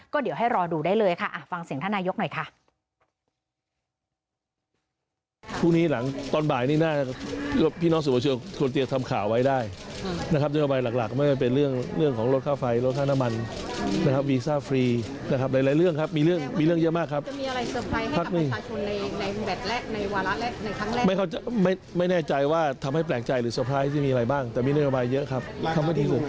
ก็เดี๋ยวให้รอดูได้เลยค่ะฟังเสียงท่านนายกหน่อยค่ะ